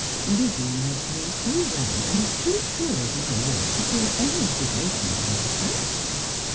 ' Lizzie loves me too well, and is too sure of my love, to feel any obligation in the matter.'